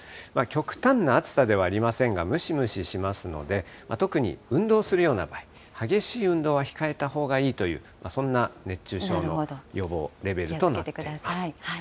極端な暑さではありませんが、ムシムシしますので、特に運動するような場合、激しい運動は控えたほうがいいという、そんな熱中症の予防レベルとなっています。